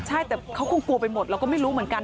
ใช่แต่เขาก็กลัวไปหมดเราก็ไม่รู้เหมือนกัน